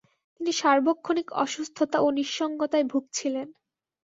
তিনি সার্বক্ষণিক অসুস্থতা ও নিঃসঙ্গতায় ভূগছিলেন।